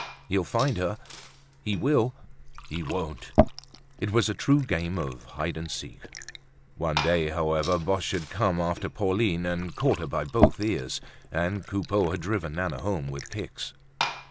He'll find her—he will—he won't! It was a true game of hide and seek. One day, however, Boche had come after Pauline and caught her by both ears, and Coupeau had driven Nana home with kicks.